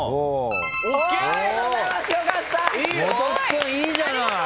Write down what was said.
元木君いいじゃない。